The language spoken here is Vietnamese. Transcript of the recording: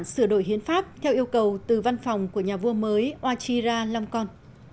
động thái sửa đổi hiến pháp theo yêu cầu từ văn phòng của nhà vua mới oachira lamkon